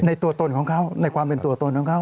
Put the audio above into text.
ตัวตนของเขาในความเป็นตัวตนของเขา